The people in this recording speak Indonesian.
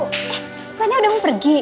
eh mbaknya udah mau pergi